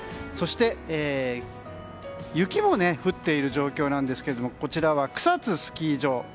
そして雪も降っている状況ですがこちらは草津スキー場。